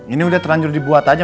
ini udah terlanjur dibuat aja